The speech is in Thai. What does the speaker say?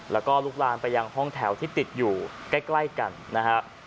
แล้วก็ลุกลามไปยังห้องแถวที่ติดอยู่ใกล้กันนะฮะ